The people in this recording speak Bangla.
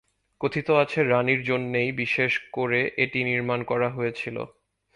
কথিত আছে রাণীর জন্যেই বিশেষ ক'রে এটি নির্মাণ করা হয়েছিল।